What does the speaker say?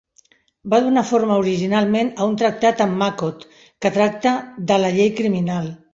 Va donar forma originalment a un tractat amb Makkot, que tracta de la llei criminal.